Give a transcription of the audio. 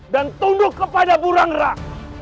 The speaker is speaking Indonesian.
dan tunduk kepada burangrak